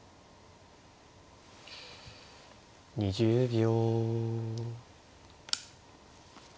２０秒。